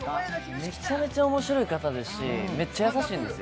めちゃめちゃ面白い方ですし、めっちゃ優しいんですよ。